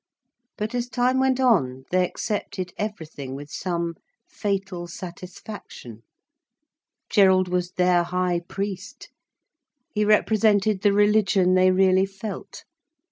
But as time went on, they accepted everything with some fatal satisfaction. Gerald was their high priest, he represented the religion they really felt.